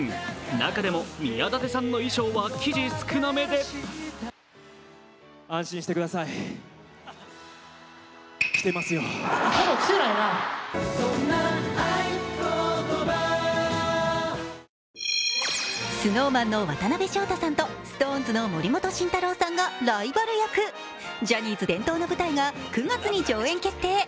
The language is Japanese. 中でも宮舘さんの衣装は生地少なめでＳｎｏｗＭａｎの渡辺翔太さんとＳｉｘＴＯＮＥＳの森本慎太郎さんがライバル役、ジャニーズ伝統の舞台が９月に上演決定。